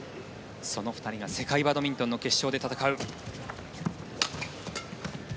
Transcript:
その２人が世界バドミントンの決勝で戦う。